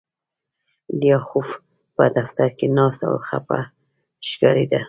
لیاخوف په دفتر کې ناست و او خپه ښکارېده